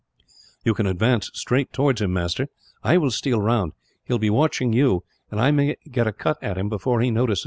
"You can advance straight towards him, master. I will steal round. He will be watching you, and I may get a cut at him, before he notices me."